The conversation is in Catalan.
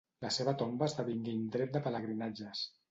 La seva tomba esdevingué indret de pelegrinatges.